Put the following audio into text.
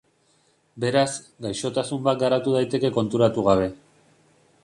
Beraz, gaixotasun bat garatu daiteke konturatu gabe.